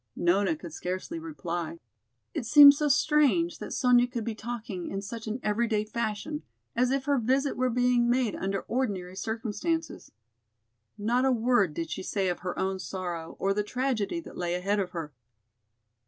Nona could scarcely reply. It seemed so strange that Sonya could be talking in such an everyday fashion, as if her visit were being made under ordinary circumstances. Not a word did she say of her own sorrow or the tragedy that lay ahead of her.